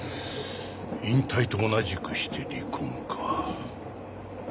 引退と同じくして離婚か。